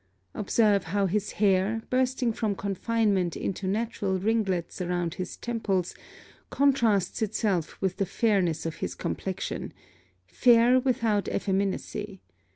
Observe how his hair, bursting from confinement into natural ringlets around his temples, contrasts itself with the fairness of his complexion fair without effeminacy.